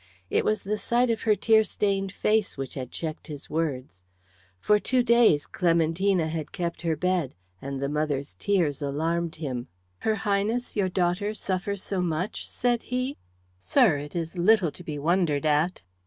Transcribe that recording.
It was the sight of her tear stained face which had checked his words. For two days Clementina had kept her bed, and the mother's tears alarmed him. "Her Highness, your daughter, suffers so much?" said he. "Sir, it is little to be wondered at."